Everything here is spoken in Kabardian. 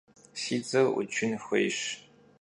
Si dzer 'uçın xuêyş.